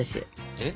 えっ？